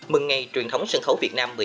mừng ngày truyền thống sân khấu việt nam